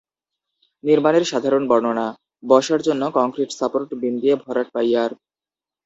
নির্মাণের সাধারণ বর্ণনা: বসার জন্য কংক্রিট সাপোর্ট বিম দিয়ে ভরাট পাইয়ার।